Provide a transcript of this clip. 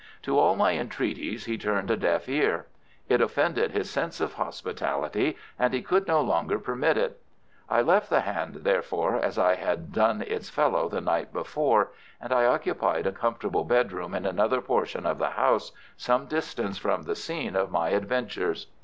To all my entreaties he turned a deaf ear. It offended his sense of hospitality, and he could no longer permit it. I left the hand, therefore, as I had done its fellow the night before, and I occupied a comfortable bedroom in another portion of the house, some distance from the scene of my adventures.